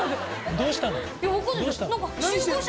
どうしたの？